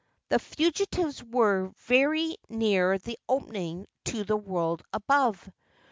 The fugitives were very near the opening to the world above.